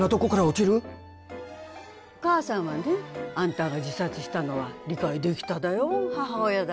お母さんはねあんたが自殺したのは理解できただよ母親だで。